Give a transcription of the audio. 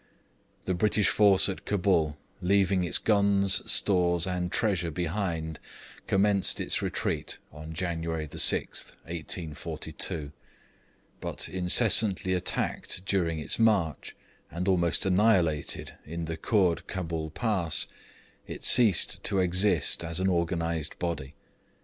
The British force at Cabul, leaving its guns, stores and treasure behind, commenced its retreat on January 6, 1842; but incessantly attacked during its march, and almost annihilated in the Koord Cabul Pass, it ceased to exist as an organised body.